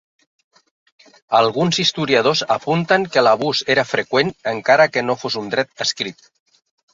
Alguns historiadors apunten que l'abús era freqüent encara que no fos un dret escrit.